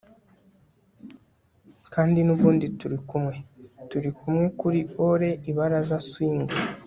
kandi nubundi turikumwe turi kumwe kuri ole ibaraza swing